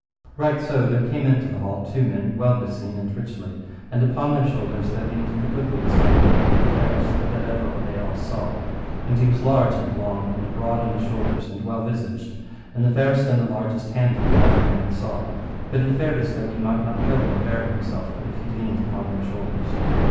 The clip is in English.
Right so came into the hall two men well beseen and richly, and upon their shoulders there leaned the goodliest young man and the fairest that ever they all saw, and he was large and long, and broad in the shoulders, and well visaged, and the fairest and the largest handed that ever man saw, but he fared as though he might not go nor bear himself but if he leaned upon their shoulders.